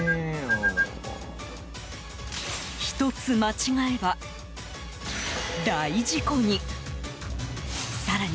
ひとつ間違えば、大事故に。